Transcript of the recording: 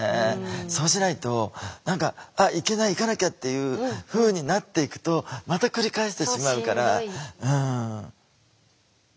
そうしないと何か「いけない行かなきゃ」っていうふうになっていくとまた繰り返してしまうから。